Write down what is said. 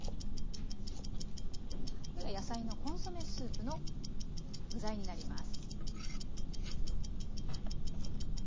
これが野菜のコンソメスープの具材になります。